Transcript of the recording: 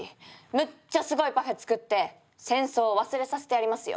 むっちゃすごいパフェ作って戦争を忘れさせてやりますよ。